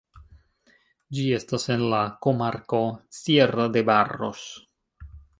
Ĝi estas en la komarko Tierra de Barros.